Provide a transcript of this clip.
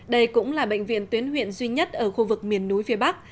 đây cũng là bệnh viện tuyến huyện duy nhất ở khu vực miền núi phía bắc